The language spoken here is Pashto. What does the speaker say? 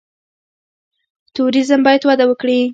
توریزم باید وده وکړي